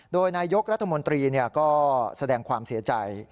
โดยนายกรัฐมนตรีก็แสดงความเสียใจ